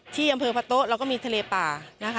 ที่อำเภอพะโต๊ะแล้วก็มีทะเลป่า